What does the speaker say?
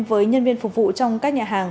với nhân viên phục vụ trong các nhà hàng